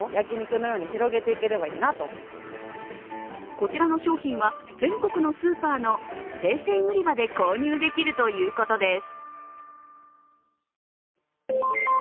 こちらの商品は全国のスーパーの生鮮売り場で購入できるということです。